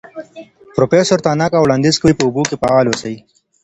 پروفیسور تاناکا وړاندیز کوي په اوبو کې فعال اوسئ.